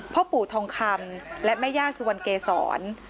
พ่อปู่ทองคำและแม่ย่าสุวรรณเกษร